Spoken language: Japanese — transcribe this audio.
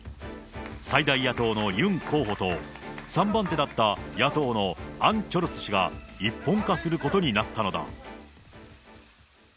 最大野党のユン候補と、３番手だった野党のアン・チョルス氏が一本化することになったのだ。